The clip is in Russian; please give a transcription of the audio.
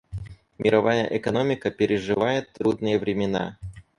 Мировая экономика переживает трудные времена.